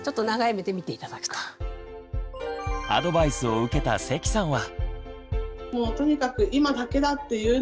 アドバイスを受けた関さんは。